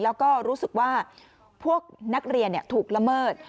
แล้วก็รู้สึกว่าพวกนักเรียนถูกละเมิด